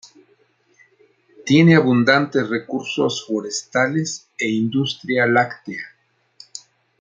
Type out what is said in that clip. Tiene abundantes recursos forestales e industria láctea.